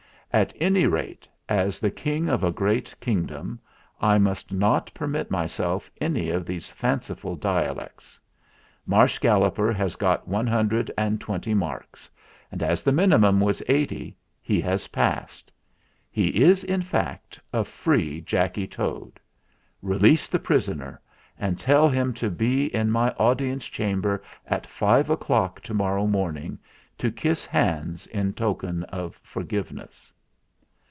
At any rate, as the King of a great kingdom, I must not permit myself any of these fanciful dia lects. Marsh Galloper has got one hundred and twenty marks; and, as the minimum was eighty, he has passed. He is, in fact, a free Jacky Toad. Release the prisoner, and tell him to be in my Audience Chamber at five o'clock to morrow morning, to kiss hands in token of forgiveness."